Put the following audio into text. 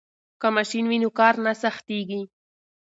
که ماشین وي نو کار نه سختیږي.